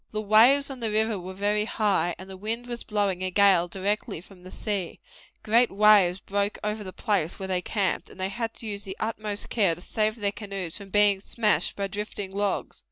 The waves on the river were very high, and the wind was blowing a gale directly from the sea; great waves broke over the place where they camped, and they had to use the utmost care to save their canoes from being smashed by drifting logs.